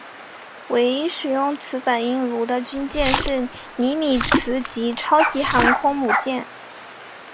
唯一使用此反应炉的军舰是尼米兹级超级航空母舰。